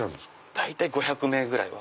大体５００名ぐらいは。